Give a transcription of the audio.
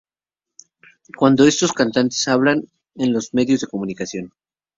cuando estos cantantes hablan en los medios de comunicación